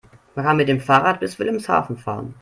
Man kann mit dem Fahrrad bis Wilhelmshaven fahren